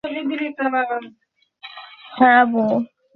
আপনি যদি মারা যান, তবে আমি কাকে হারাবো?